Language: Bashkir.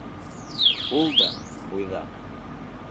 Ул да буйҙаҡ.